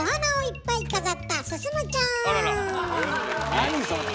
何それ！